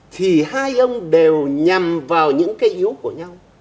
thì hai ông đều nhằm vào những cái yếu của nhau